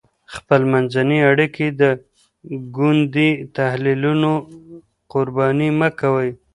خپلمنځي اړیکې د ګوندي تحلیلونو قرباني مه کوئ.